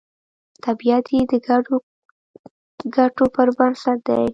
طبیعت یې د ګډو ګټو پر بنسټ دی